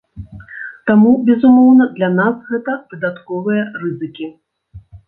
Таму, безумоўна, для нас гэта дадатковыя рызыкі.